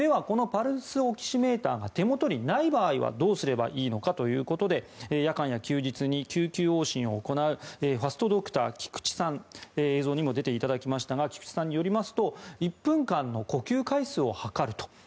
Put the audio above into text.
このパルスオキシメーターが手元のない場合はどうすればいいのかということで夜間や休日に救急往診を行うファストドクター、菊池さん映像にも出ていただきましたが菊池さんによりますと１分間の呼吸回数を測ると。